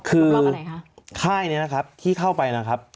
คือค่ายนี้นะครับที่เข้าไปนะครับ